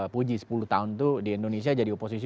puji sepuluh tahun itu di indonesia jadi oposisi